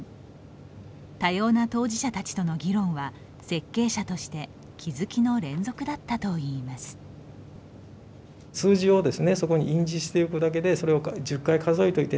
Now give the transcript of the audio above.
多様な当事者たちとの議論は設計者として気付きの連続だったといいます。